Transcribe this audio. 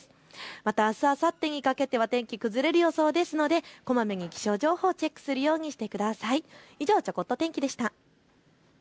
またあす、あさってにかけては天気崩れる予想ですのでこまめに気象情報をチェックするようにしてください。以上ちょこっと天気でした。